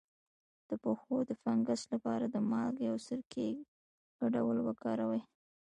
د پښو د فنګس لپاره د مالګې او سرکې ګډول وکاروئ